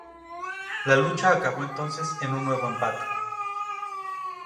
La lucha acabó entonces en un nuevo empate.